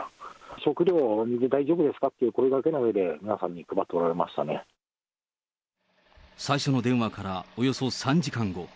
食料、お水、大丈夫ですかっていう声かけのうえで、皆さんに配っ最初の電話からおよそ３時間後。